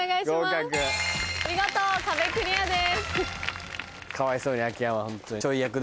見事壁クリアです。